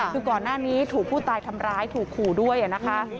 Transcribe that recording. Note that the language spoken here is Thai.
คือก่อนหน้านี้ถูกผู้ตายทำร้ายถูกขู่ด้วยนะคะ